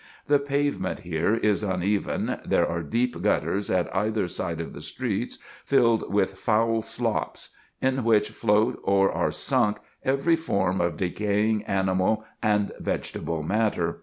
The pavement here is uneven, there are deep gutters at either side of the streets, filled with foul slops, in which float or are sunk every form of decaying animal and vegetable matter.